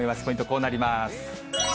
こうなります。